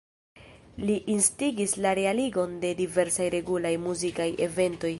Li instigis la realigon de diversaj regulaj muzikaj eventoj.